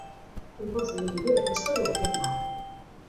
Ikusmin handia piztu du filmak.